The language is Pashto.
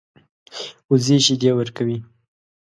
وزې شیدې ورکوي